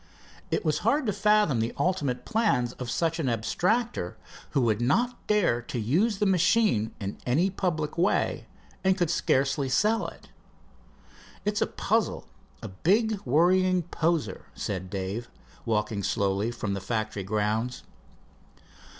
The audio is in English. It was hard to fathom the ultimate plans of such an abstractor, who would not dare to use the machine in any public way and could scarcely sell it. "It's a puzzle, a big, worrying poser," said Dave, walking slowly from the factory grounds.